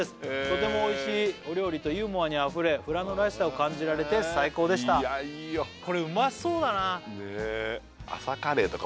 とてもおいしいお料理とユーモアにあふれ富良野らしさを感じられて最高でしたいやあいいよねえやりたい？